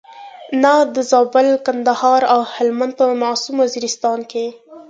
نه د زابل، کندهار او هلمند په معصوم وزیرستان کې.